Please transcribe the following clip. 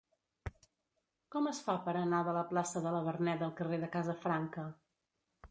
Com es fa per anar de la plaça de la Verneda al carrer de Casafranca?